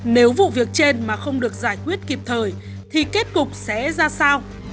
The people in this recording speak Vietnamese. nếu vụ việc trên mà không được giải quyết kịp thời thì kết cục sẽ ra sao